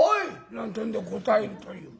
なんてんで答えるという。